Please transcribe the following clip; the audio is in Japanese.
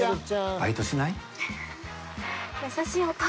バイトしない？